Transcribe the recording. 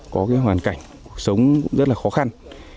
có hoàn cảnh cuộc sống rất là khó khăn